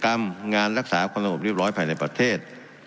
งานรักษาความสงบเรียบร้อยภายในประเทศ